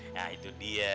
nah itu dia